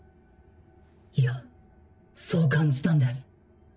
いやそう感じたんです。